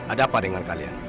ada apa dengan kalian